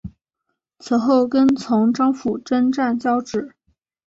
此后跟从张辅征战交址。